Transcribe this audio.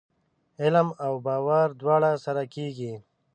علم او باور دواړه سره کېږي ؟